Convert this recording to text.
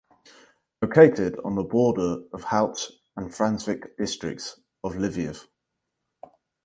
Located on the border of Halych and Frankivsk districts of Lviv.